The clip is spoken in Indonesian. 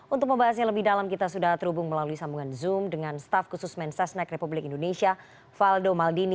untuk membahasnya lebih dalam kita sudah terhubung melalui sambungan zoom dengan staf khusus mensesnek republik indonesia faldo maldini